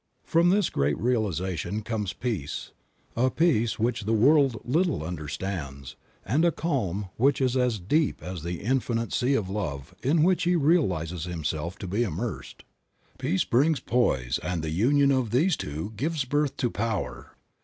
From this great realization comes peace, a peace which the world little understands, and a calm which is as deep as the infinite sea of love in which he realizes himself to be immersed. Peace brings poise, and the union of these two gives birth to Power.